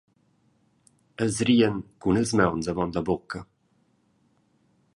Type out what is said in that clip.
Els rian cun ils mauns avon la bucca.